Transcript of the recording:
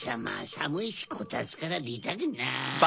さむいしこたつからでたくない。